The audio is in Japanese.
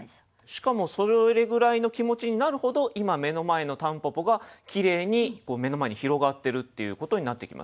しかもそれぐらいの気持ちになるほど今目の前の蒲公英がきれいに目の前に広がってるっていうことになってきますよね。